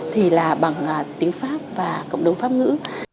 thì là bằng tiếng pháp và cộng đồng pháp ngữ